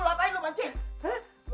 kalau berjalan seru